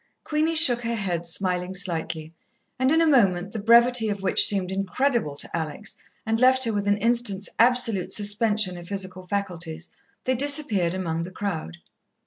Queenie shook her head, smiling slightly, and in a moment, the brevity of which seemed incredible to Alex and left her with an instant's absolute suspension of physical faculties, they disappeared among the crowd.